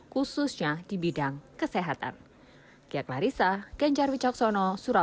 khususnya di bidang kesehatan